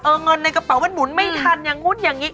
เงินในกระเป๋ามันหมุนไม่ทันอย่างนู้นอย่างนี้